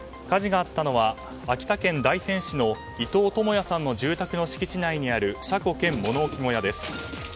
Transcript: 火事があったのは秋田県大仙市の伊藤友也さんの住宅の敷地内にある車庫兼物置小屋です。